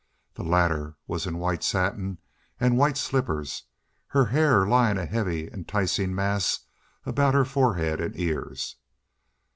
The latter was in white satin and white slippers, her hair lying a heavy, enticing mass about her forehead and ears.